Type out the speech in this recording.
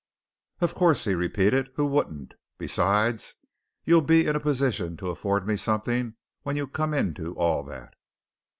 "Of course!" he repeated. "Who wouldn't? Besides, you'll be in a position to afford me something when you come into all that."